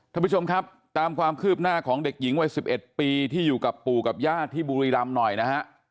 ท่านผู้ชมครับตามความคืบหน้าของเด็กหญิงวัย๑๑ปีที่อยู่กับปู่กับญาติที่บุรีรำหน่อยนะฮะ